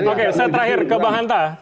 oke saya terakhir ke bang hanta